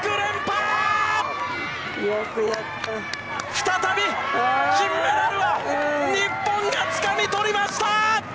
再び金メダルは日本がつかみとりました！